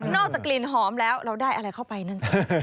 กลิ่นหอมแล้วเราได้อะไรเข้าไปนั่น